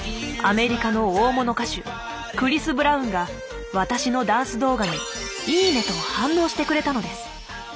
アメリカの大物歌手クリス・ブラウンが私のダンス動画に「いいね」と反応してくれたのです。